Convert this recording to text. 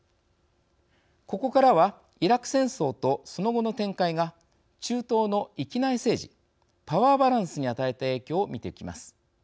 ここからはイラク戦争と、その後の展開が中東の域内政治パワーバランスに与えた影響を見ていきます。